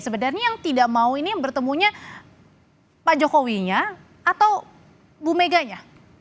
sebenarnya yang tidak mau ini bertemunya pak jokowinya atau bu meganya